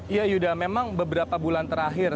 ya yuda memang beberapa bulan terakhir